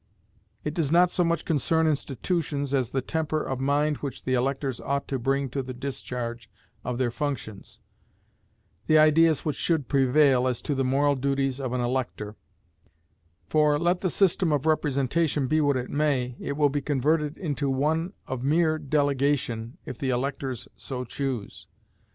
It does not so much concern institutions as the temper of mind which the electors ought to bring to the discharge of their functions, the ideas which should prevail as to the moral duties of an elector; for, let the system of representation be what it may, it will be converted into one of mere delegation if the electors so choose.